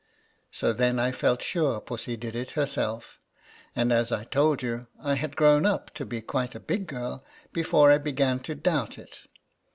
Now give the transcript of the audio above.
So then I felt sure Pussy did it herself; and as I told you, I had grown up to be quite a big girl before I began to doubt it.